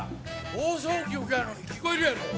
放送局やのに、聞こえるやろ！